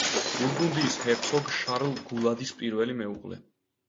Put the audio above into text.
ბურგუნდიის ჰერცოგ შარლ გულადის პირველი მეუღლე.